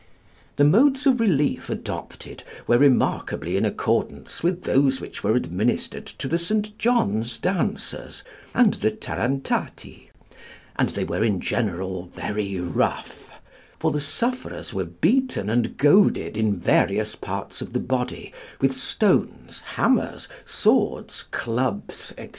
The modes of relief adopted were remarkably in accordance with those which were administered to the St. John's dancers and the Tarantati, and they were in general very rough; for the sufferers were beaten and goaded in various parts of the body with stones, hammers, swords, clubs, &c.